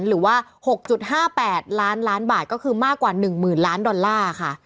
หรือว่า๖๕๘ล้านล้านบาทก็คือมากกว่า๑๐๐๐ล้านดอลลาร์ค่ะ